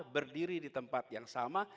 berdiri di tempat yang sama